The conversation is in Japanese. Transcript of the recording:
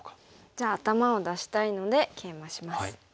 じゃあ頭を出したいのでケイマします。